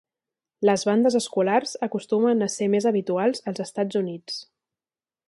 Les bandes escolars acostumen a ser més habituals als Estats Units.